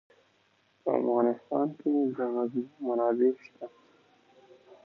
په افغانستان کې د غزني منابع شته.